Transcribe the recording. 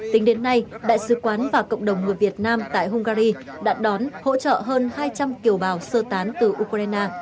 tính đến nay đại sứ quán và cộng đồng người việt nam tại hungary đã đón hỗ trợ hơn hai trăm linh kiều bào sơ tán từ ukraine